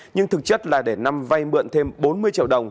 nhưng thực chất là để năm vay mượn thêm bốn mươi triệu đồng